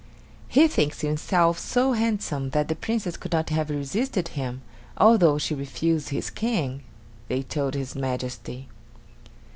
"He thinks himself so handsome that the Princess could not have resisted him, although she refused his King," they told his Majesty.